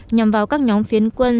nhằm vào các nhóm phiến quân